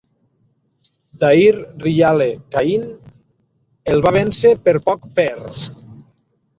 Dahir Riyale Kahin el va vèncer per poc per.